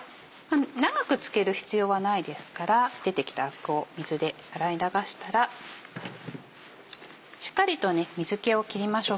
長くつける必要はないですから出てきたアクを水で洗い流したらしっかりと水気を切りましょう。